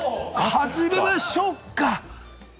始めま、しょうか？